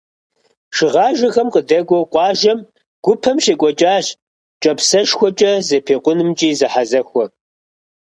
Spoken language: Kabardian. Шыгъажэм къыдэкӏуэу къуажэм гупэм щекӏуэкӏащ кӏапсэшхуэкӏэ зэпекъунымкӏэ зэхьэзэхуэ.